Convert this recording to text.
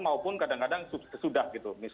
maupun kadang kadang sudah